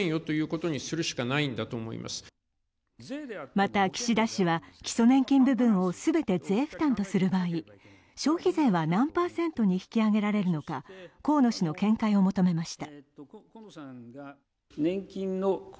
また、岸田氏は、基礎年金部分を全て税負担とする場合、消費税は何パーセントに引き上げられるのか河野氏の見解を求めました。